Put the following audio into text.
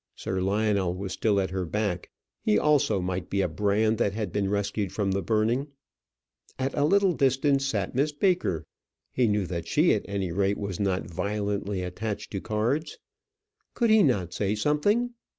Sir Lionel was still at her back; he also might be a brand that had been rescued from the burning. At a little distance sat Miss Baker; he knew that she at any rate was not violently attached to cards. Could he not say something?